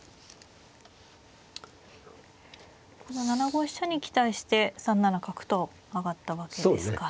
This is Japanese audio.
この７五飛車に期待して３七角と上がったわけですか。